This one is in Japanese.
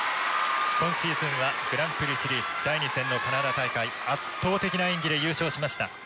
今シーズンはグランプリシリーズ第２戦のカナダ大会圧倒的な演技で優勝しました。